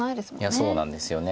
いやそうなんですよね。